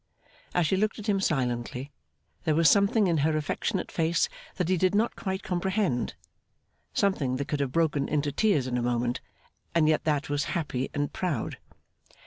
As she looked at him silently, there was something in her affectionate face that he did not quite comprehend: something that could have broken into tears in a moment, and yet that was happy and proud.